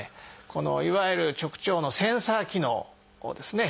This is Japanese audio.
いわゆる直腸のセンサー機能ですね